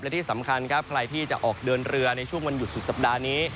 และที่สำคัญครับใครที่จะออกเดินเรือในช่วงวันหยุดสุดสัปดาห์นี้